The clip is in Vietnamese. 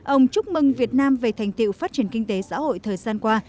ông chúc mừng việt nam về thành tiệu phát triển kinh tế xã hội thời gian qua